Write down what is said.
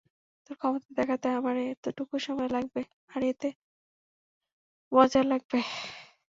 তোর ক্ষমতা দেখাতে আমার এতটুকু সময় লাগবে, আর এতো মজা লাগবে।